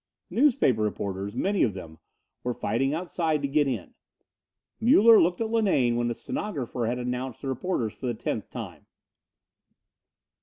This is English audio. Newspaper reporters, many of them, were fighting outside to get in. Muller looked at Linane when a stenographer had announced the reporters for the tenth time.